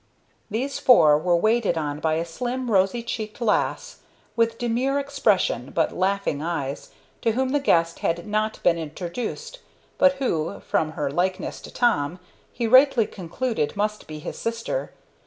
These four were waited on by a slim, rosy cheeked lass, with demure expression but laughing eyes, to whom the guest had not been introduced, but who, from her likeness to Tom, he rightly concluded must be his sister.